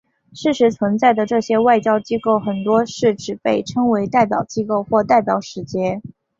事实存在的这些外交机构很多是只被称为代表机构或代表使节。